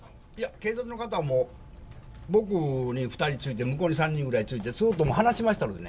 警察の方は僕に２人ついて、向こうに３人ぐらいついて、離しましたので。